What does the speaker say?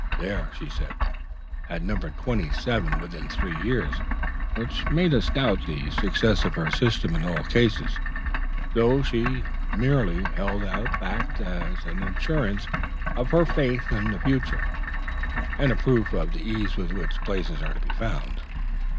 These, she said, had numbered twenty seven within three years, which made us doubt the success of her system in all cases, though she merely held out the fact as an assurance of her faith in the future, and a proof of the ease with which places are to be found.